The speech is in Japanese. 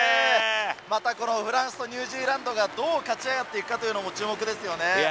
またこのフランスとニュージーランドがどう勝ち上がっていくかというのも注目ですよね。